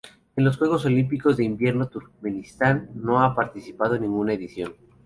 En los Juegos Olímpicos de Invierno Turkmenistán no ha participado en ninguna edición.